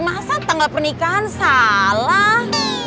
masa tanggal pernikahan salah